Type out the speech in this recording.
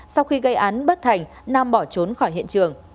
sau khi gây án bất thành nam bỏ trốn khỏi hiện trường